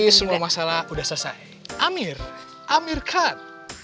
tapi semua masalah udah selesai amir amir kan